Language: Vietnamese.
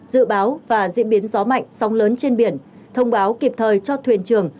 dự báo và diễn biến gió mạnh sóng lớn trên biển thông báo kịp thời cho thuyền trường